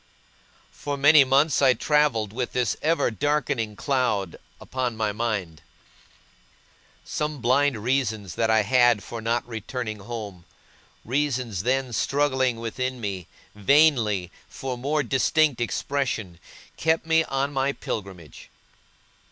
For many months I travelled with this ever darkening cloud upon my mind. Some blind reasons that I had for not returning home reasons then struggling within me, vainly, for more distinct expression kept me on my pilgrimage.